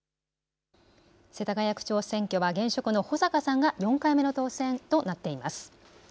世田谷区長選挙は現職の保坂さんが４回目の当選となっています。